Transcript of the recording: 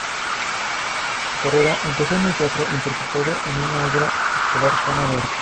Su carrera empezó en el teatro interpretando en una obra escolar Juana de Arco.